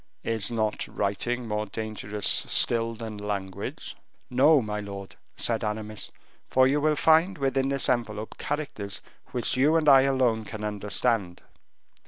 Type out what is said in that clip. "Is not writing more dangerous still than language?" "No, my lord," said Aramis, "for you will find within this envelope characters which you and I alone can understand."